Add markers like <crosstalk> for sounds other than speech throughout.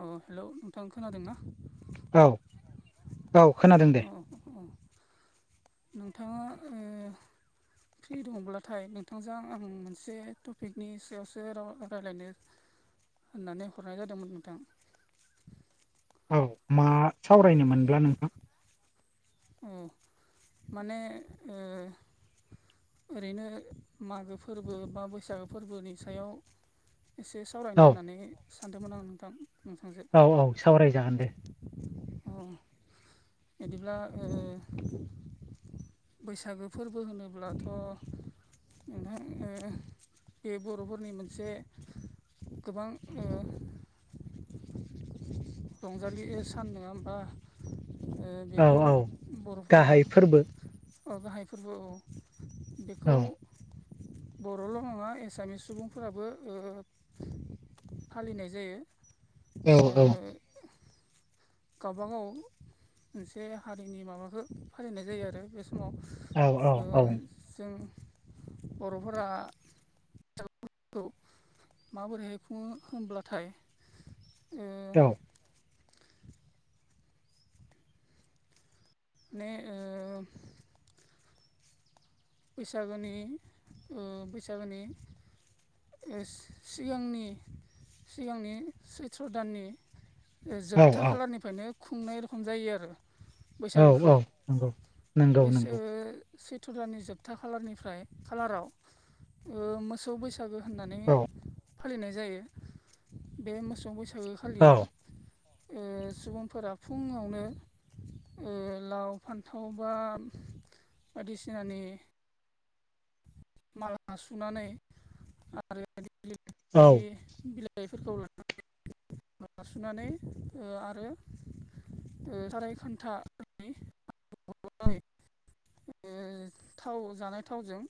अ hello नोंथां खोनादोंना? औ। खोनादों दे अ औ नोंथाङा औ। फ्रि दंब्लाथाय नोंथांजों आं मोनसे टपिकनि सायावसो राव रायज्लायनो ओ होननानै हरनाय जादोंमोन नोंथांआ औ मा सावरायनोमोनब्ला नोंथां। अ माने ओ ओरैनो मागो फोरबो बा बैसागो फोरबोनि सायानो एसे औ सावरायनो होननानै सानदोंमोन आं नोंथां नोंथां औ औ सावरायजागोन दे। अ बिदिब्ला ओ बैसागो फोरबो होनोब्लाथो। नोंथां बे बर'फोरनि मोनसे गोबां‌। रंजालि सान नङा होनबा औ बेखौ औ बर'फोरा गाहाय फोरबो गाहाय फोरबो औ बेखौनो बर'ल नङा एसामिस सुबुंफोराबो ओ फालिनाय जायो। औ ओ औ। गावबागाव मोनसे हारिनि माबाखौ फालिनाय जायो आरो ना समाव औ औ ओ स जों बर'फोरा आफोरखौ माबोरैहाय खुङो होनब्लाथाय ओ माने ओ बैसागोनि बैसागोनि सिगांनि सिगांनि सैथ्र दाननि औ जोबथा खालारनिफ्रायनो खुंनाय रखम जायो आरो ना। औ औ बैसागोखौ नंगौ नंगौ बैसो सेथ्र दाननि जोबथा खालारनिफ्राय खालाराव मोसौ बैसा गो होननानै औ फालिनाय जायो बे मोसौ बैसागो खालि औ ओ सुबुंफोरा फुङावनो ओ लाव फान्थाव बा बादिसिनानि माला सुनानै आरो <unintelligible> औ बायदि बिलाइ <unintelligible> माला सुनानै आरो साराय खान्थानि <unintelligible> ओ थाव जानाय थावजों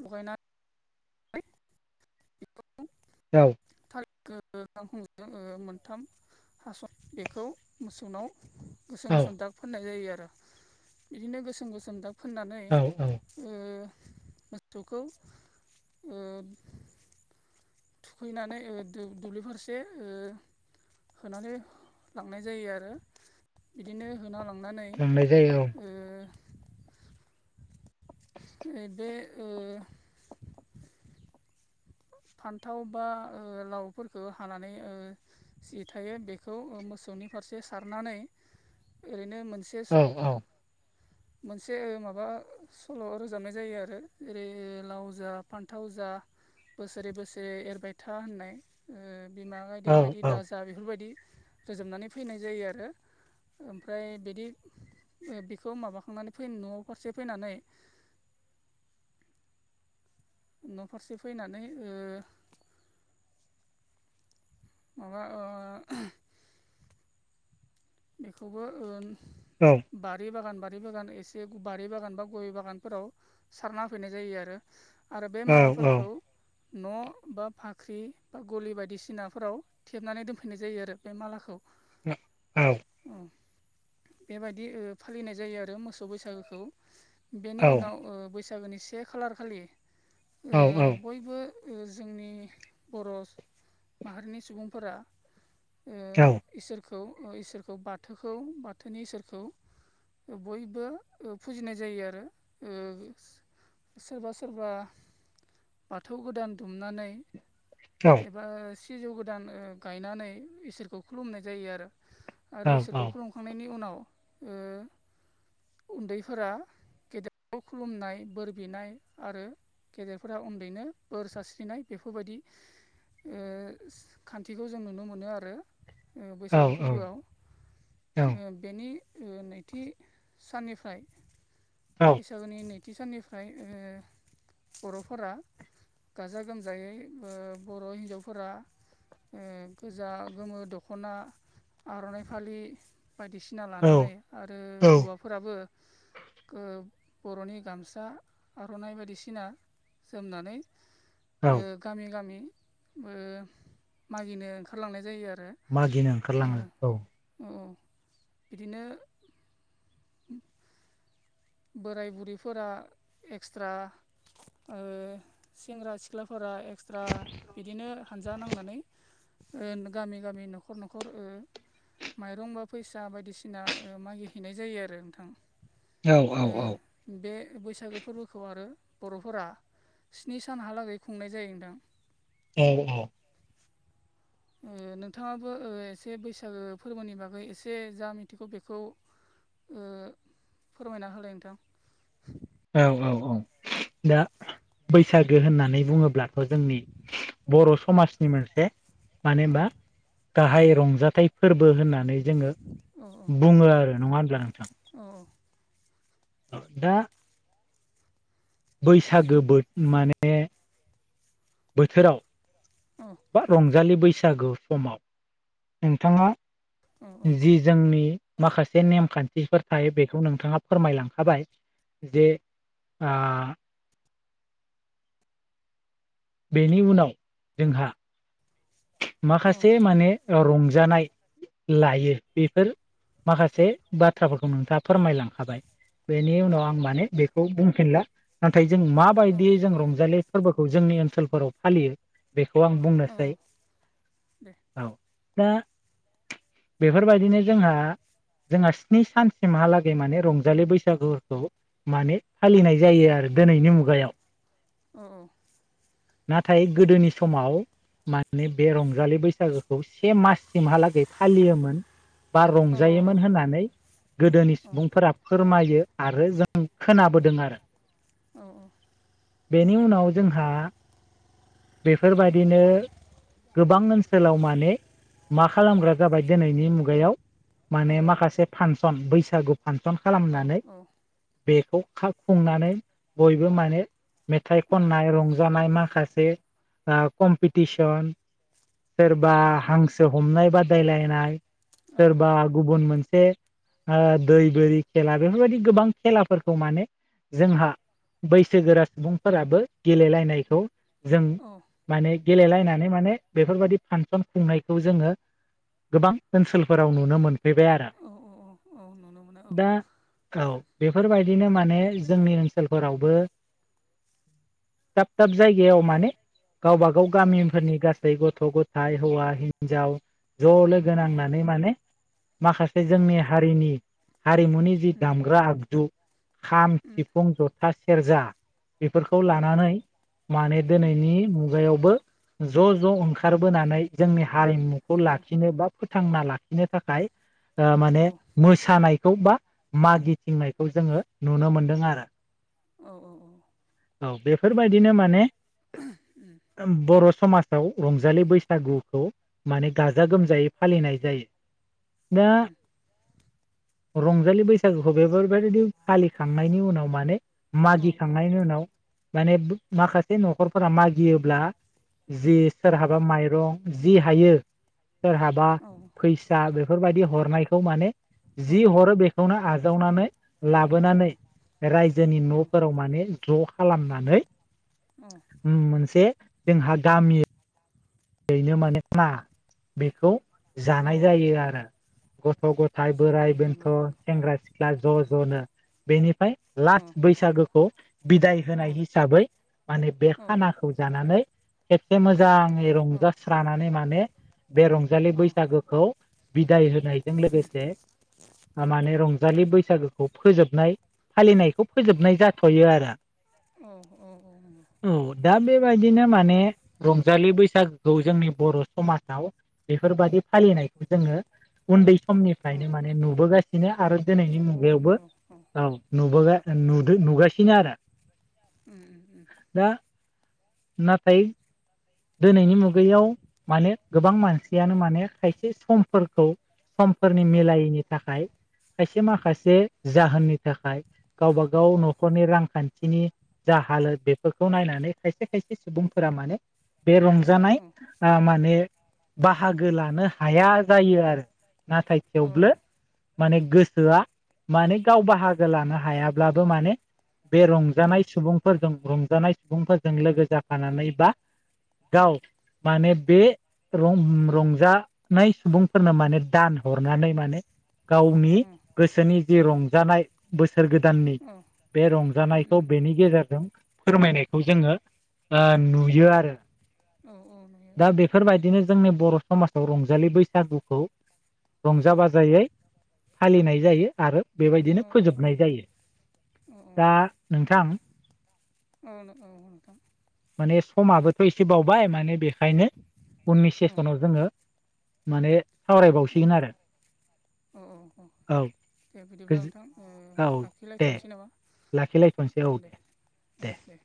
लगायना नै <unintelligible> औ थारैनो ओ गाखंजों ओ मोनथाम हास बेखौ मोसौनाव <unintelligible> गोसोम औ गोसोम दाग फोननाय जायो आरो बिदिनो गोसोम गोसोम दाग फोननानै औ औ ओ मोसौखौ ओ थुखैनानै ओ दुब्लि फारसे ओ होनानै लांनाय जायो आरो। इदिनो होना लांनानै लांनाय जायो ओ नै बे ओ फान्थाव बा ओ लावफोरखौ हानानै ओ जि थायो बेखौ मोसौनि ओ फारसे सारनानै ओरैनो मोन से औ मोनसे ओ माबा सल' रोजाबनाय जायो आरो जेरै लाव ओ जा फान्थाव जा बोसोरे बोसोरे एरबाय था होननाय ओ बिमा गायदे औ बायदि औ दाजा बेफोरबायदि रोजोबनानै फैनाय जायो आरो ओमफ्राय बिदि बेखौ माबाखांनानै फैना न' फारसे फैनानै न' फारसे फैनानै ओ माबा ओ बेखौबो ओन औ बारि बागान बारि बागान एसे बारि बागान बा गय बागानफोराव सारना होफैनाय जायो आरो। आरो बे औ मालाफोरखौ न' बा फाख्रि बा गलि बायदिसिनाफोराव थेबनानै दोनफैनाय जायो आरो बे मालाखौ। ओ औ औ बेबायदि ओ फालिनाय जायो आरो मोसौ बैसागोखौ। औ बेनि उनाव ओ बैसागोनि से खालार खालि ओ बय बो जोंनि बर' माहारिनि सुबुंफोरा ओ इसोरखौ ओ इसोरखौ बाथोखौ बाथोनि इसोरखौ ओ बयबो ओ फुजिनाय जायो आरो ओ सोरबा सोरबा बाथौ गोदान दुमनानै एबा सिजौ गोदान ओ गायनानै इसोरखौ खुलुमनाय जायो आरो आरो इसोरखौ खुलुमखांनायनि उनाव ओ उन्दैफोरा गेदेरखौ खुलुमनाय बोर बिनाय आरो गेदेरफोरा उन्दैनो बोर सारस्रिनाय बेफोरबायदि ओ खान्थिखौ जों नुनो मोनो आरो ओ बैसागो फोरबोआव ओ बेनि ओ नैथि साननिफ्राय औ बैसागुनि नैथि साननिफ्राय ओ बर'फोरा गाजा गोमजायै ओ बर' हिन्जावफोरा ओ गोजा गोमो दखना आर'नाइ फालि बायदिसिना लानानै आरो औ हौवाफोराबो ओ बर'नि गामसा आर'नाइ बायदिसिना जोमनानै औ ओ गामि गामि ओ मागिनो ओंखारलांनाय जायो आरो। मागिनो ओंखारलाङो औ। अ औ बिदिनो बोराय बुरैफोरा एक्सट्रा सेंग्रा सिख्लाफोरा एक्सट्रा बिदिनो हानजा नांनानै ओ गामि गामि न'खर न'खर ओ माइरं बा फैसा बायदिसिना मागि हैनाय जायो आरो नोंथां औ औ ओ बे बैसागो फोरबोखौ आरो बर'फोरा स्नि सानहालागै खुंनाय जायो नोंथां औ औ ओ नोंथाङाबो एसे बैसागो फोरबोनि बागै एसे जा मिथिगौ बेखौ ओ फोरमायना होलाय नोंथां औ औ औ दा बैसागो होननानै बुङो ब्लाथ' जोंनि बर' समाजनि मोनसे मानो औ होमबा गाहाय रंजाथाइ फोरबो होननानै जोङो औ बुङो आरो नङा होनब्ला नोंथां औ दा बैसागो बोथोर माने बोथोराव औ बा रंजालि बैसागु समाव नोंथाङा औ जि जोंनि औ माखासे नेमखान्थिफोर थायो बेखौ नोंथाङा फोरमायलांखाबाय जे आ बेनि उनाव जोंहा औ माखासे माने रंजानाय लायो बेफोर माखासे बाथ्राफोरखौ नोंथाङा फोरमायलांखाबाय बेनि उनाव आं माने बेखौ बुंफिनला नाथाय जों औ माबायदि जों रंजालि फोरबोखौ जोंनि ओनसोलफोराव फालियो बेखौ आं औ बुंनोसै औ दे औ दा बेफोरबायदिनो जोंहा जोंहा स्नि सानसिमहालागै माने रंजालि बैसागुखौ माने फालिनाय जायो आरो दिनैनि मुगायाव अ औ नाथाय गोदोनि समाव माने बे रंजालि बै बैसागोखौ से माससिमहालागै फालियोमोन बा औ रंजायोमोन औ होननानै गोदोनि औ सुबुंफोरा फोरमायो आरो जों खोनाबोदों आरो औ औ बेनि उनाव जोंहा बेफोरबायदिनो गोबां ओनसोल ओनसोलाव माने मा खालामग्रा जाबाय दिनैनि मुगायाव माने माखासे फांसन बैसागु फांसन खालामनानै बेखौ खुंनानै बयबो माने मेथाइ खननाय रंजानाय माखासे माखासे कमटटिसन सोरबा हांसो हांसो हमनाय बादायलायनाय सोरबा गुबुन मोनसे दै बोरि खेला बेफोरबायदि गोबां खेलाफोरखौ माने जोंहा बैसोगोरा सुबुंफोराबो गेलेलायनायखौ जों औ माने गेलेलायनानै माने बेफोरबायदि फांसन खुंनायखौ जोङो गोबां ओनसोलफोराव नुनो मोनफैबाय आरो औ औ नुनो मोनो औ दा औ बेफोरबायदिनो माने जोंनि ओनसोलफोरावबो दाब दाब जायगायाव माने गावबा गाव औ गामिफोरनि गासैबो बै गथ' गथाय हौवा हिनजाव ज' लोगो औ नांनानै माने माखासे औ जोंनि हारिनि हारिमुनि जि उम दामग्रा आगजु खाम उम सिफुं जथा सेरजा बेफोरखौ औ लानानै माने दिनैनि मुगायावबो ज' ज' ओंखारबोनानै जोंनि हारिमुखौ औ लाखिनो बा फोथांना लाखिनो थाखाय औ माने सानायखौ बा मागिथिंनायखौ जोङो नुनो मोनदों आरो औ औ औ औ बेफोरबायदिनो माने ओ बर' समाजाव रंजालि बैसागुखौ माने गाजा गोमजायै फालिनाय जायो दा औ रंजालि बैसा बैसागुखौ बेफोरबायदि फालिखांनायनि उनाव माने औ मागिखांनायनि उनाव माने माखासे न'खरफोरा मागियोब्ला जि सोरहाबा माइ रं जि हायो सोरहाबा फैसा बेफोरबायदि हरनायखौ माने जि औ हरो बेखौनो आजावनानै लाबोनानै रायजोनि न'फोराव माने ज' खालामनानै उम मोनसे जोंहा गामि हैनो माने ना बेखौ औ जानाय जायो आरो गथ' गथा इ जा औ बोराइ बेन्थ नंगौ नंगौ सेंग्रा सिख्ला ज' ज'नो बेनिफ्राय औ लास्ट बैसागोखौ बिदाय औ होनाय हिसाबै माने बे औ खानाखौ जानानै खेबसे मोजाङै औ नंगौ रंजास्रानानै माने बे रंजालि बैसागोखौ बिदाय होनायजों लोगोसे माने रंजालि बैसागोखौ फोजोबनाय फालिनायखौ फोजोबनाय जाथयो आरो अ अ अ औ अ अ दा बेबायदिनो माने रंजालि बैसागो खौ जोंनि बर' समाजाव बेफोरबाददि फालिनायखौ जोङो उन्दै समनिफ्रायनो माने नुबोगासिनो आरो दिनैनि मुगायावबो नुबोगासिनो औ ओ नुबोगा नुदो नुगासिनो आरो उम उम उम दा नाथाय दिनैनि मुगायाव माने गोबां मानसियानो माने खायसे समफोरखौ समफोरनि मिलायैनि थाखाय खायसे माखासे जाहोननि थाखाय गावबा गाव न'खरनि रांखान थिनि जा हालोद बेफोरखौ नायनानै खायसे खायसे सुबुंफोरा माने बे रंजानाय आ माने बाहागो लानो हाया जायो आरो नाथाय औ थेवबो माने गोसोआ माने गाव बाहागो लानो हायाब्लाबो माने बे रंजानाय सुबुंफोरजों रंजानाय सुबुंफोरजों लोगो जाफानानै बा गाव माने बे रं रंजानाय सुबुंफोरनो माने दान हरनानै माने गावनि औ गोसोनि जि रंजानाय बोसोर गोदाननि बे रंजानायखौ औ बेनि गेजेरजों फोरमायनायखौ जोङो ओ नुयो आरो नुयो दा बेफोरबायदिनो जोंनि बर' समाजाव रंजालि बैसागुखौ औ रंजा बाजायै फालिनाय जायो आरो औ बेबायदिनो फोजोबनाय जायो दा नोंथां औ औ नोथां माने समाबोथ एसे बावबाय माने बेखायनो उननि औ सेसनाव जोङो माने सावरायबावसिगोन आरो अ अ अ औ दे बिदिब्ला गोजो नोंथां ओ औ दे लाखिलायथनोसै नामा लाखिलायथ'नोसै औ दे अ दे